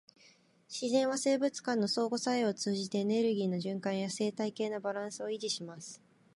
自然は生物間の相互作用を通じて、エネルギーの循環や生態系のバランスを維持します。